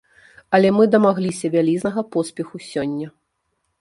Але мы дамагліся вялізнага поспеху сёння!